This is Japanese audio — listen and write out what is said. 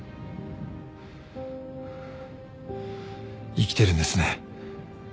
生きてるんですね？